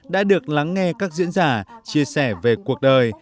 đã được lắng nghe các diễn giả chia sẻ về cuộc đời